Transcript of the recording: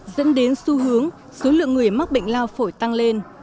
dẫn đến xu hướng số lượng người mắc bệnh lao phổi tăng lên